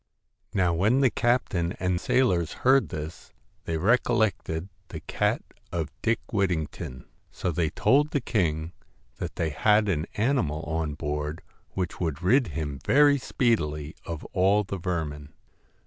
' Now when the captain and sailors heard this, they recollected the cat of Dick Whittington ; so they told the king that they had an animal on board which would rid him very speedily of all the vermin.